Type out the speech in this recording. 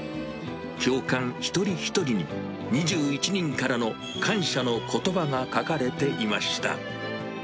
教官一人一人に２１人からの感謝のことばが書かれていました。